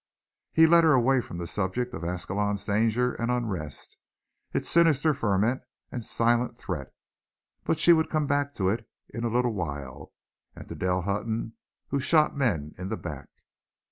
He led her away from the subject of Ascalon's dangers and unrest, its sinister ferment and silent threat, but she would come back to it in a little while, and to Dell Hutton, who shot men in the back.